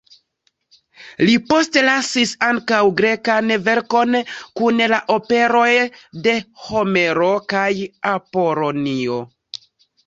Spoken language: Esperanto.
Li postlasis ankaŭ grekan verkon kun la operoj de Homero kaj Apolonio.